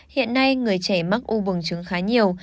hiện nay người trẻ mắc u vừng trứng khá nhiều